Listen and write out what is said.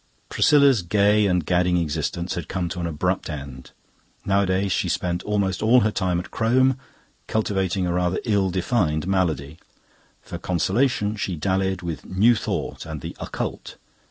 Priscilla's gay and gadding existence had come to an abrupt end. Nowadays she spent almost all her time at Crome, cultivating a rather ill defined malady. For consolation she dallied with New Thought and the Occult.